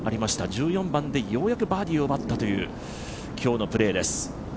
１４番でようやくバーディーを奪ったという今日のプレーです。